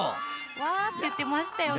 「わ！」って言ってましたよね。